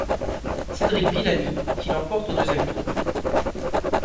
Cédric Villani, qui l'emporte au deuxième tour.